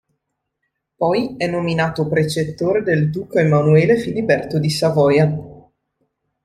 Poi è nominato precettore del duca Emanuele Filiberto di Savoia.